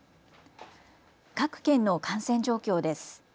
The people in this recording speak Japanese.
各県の感染状況です。